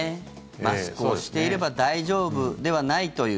マスクをしていれば大丈夫ではないという。